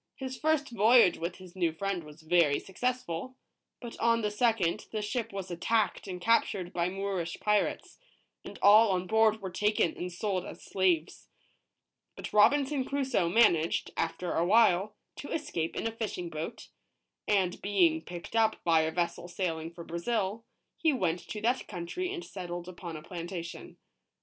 H is first voyage with his new friend was very successful ; but on the second, the ship was attacked and captured by Moorish pirates, and all on board were taken and sold as slaves. But Robinson Crusoe managed, after a while, to es cape in a fishing boat ; and being picked up by a vessel sail ing for Brazil, he went to that country and settled upon a plantation.